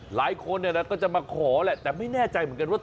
หลายคนก็จะมาขอแหละแต่ไม่แน่ใจเหมือนกันว่า